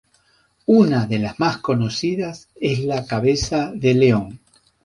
Una de las más conocidas es la Cabeza de león.